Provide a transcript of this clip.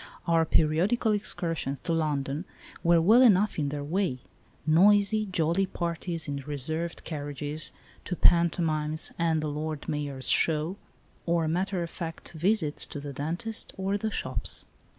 Our periodical excursions to London were well enough in their way ; noisy, jolly parties in reserved carriages to pantomimes and the Lord Mayor's Show, or matter of fact visits to the dentist or the shops.